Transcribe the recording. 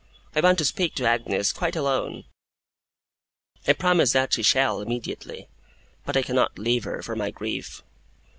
I want to speak to Agnes, quite alone.' I promise that she shall, immediately; but I cannot leave her, for my grief.